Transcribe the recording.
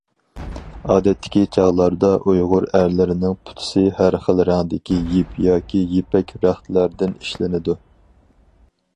ئادەتتىكى چاغلاردا ئۇيغۇر ئەرلىرىنىڭ پوتىسى ھەر خىل رەڭدىكى يىپ ياكى يىپەك رەختلەردىن ئىشلىنىدۇ.